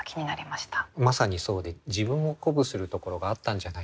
まさにそうで自分を鼓舞するところがあったんじゃないかと。